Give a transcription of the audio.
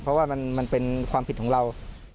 เพราะว่ามันเป็นความผิดของเรา